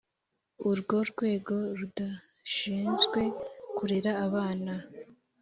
urwo rwego rudashinzwe kurera abana